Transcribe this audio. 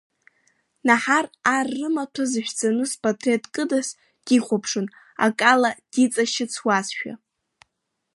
Наҳар ар рымаҭәа зышәҵаны зпатреҭ кыдыз дихәаԥшуан, акала диҵашьыцуазшәа.